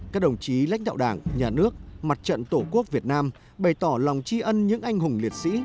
các đồng chí lãnh đạo đảng nhà nước mặt trận tổ quốc việt nam bày tỏ lòng tri ân những anh hùng liệt sĩ